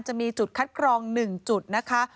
จะมีจุดคัดกรอง๑จุดนะคะ